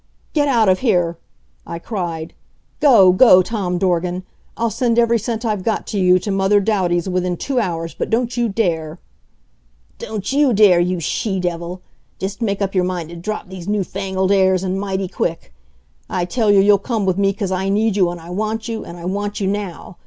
"Get out of here!" I cried. "Go go, Tom Dorgan. I'll send every cent I've got to you to Mother Douty's within two hours, but don't you dare " "Don't YOU dare, you she devil! Just make up your mind to drop these newfangled airs, and mighty quick. I tell you you'll come with me 'cause I need you and I want you, and I want you now.